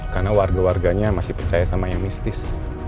karena warga warganya masih percaya sama yang mistis